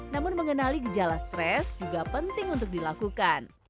namun mengenali gejala stres juga penting untuk dilakukan